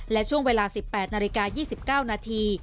และช่วงเวลา๑๘นาฬิกา๒๙นาที